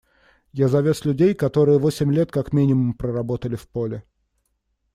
Я завез людей, которые восемь лет как минимум проработали в поле.